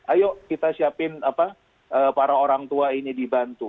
ayo kita siapin para orang tua ini dibantu